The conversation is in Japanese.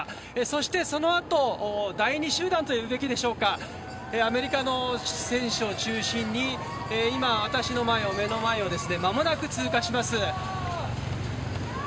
そしてそのあと、第２集団というべきでしょうかアメリカの選手の中心に今、私の目の間を間もなく通過します。